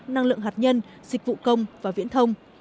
năng lượng hạt nhân dịch vụ công và viễn thông